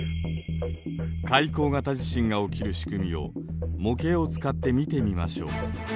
海溝型地震が起きる仕組みを模型を使って見てみましょう。